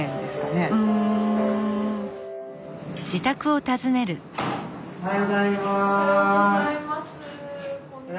おはようございます。